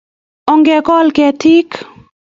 Ongekol ketik